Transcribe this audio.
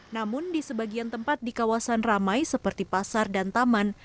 namun di sebagian tempat di kawasan ramai seperti pasar dan taman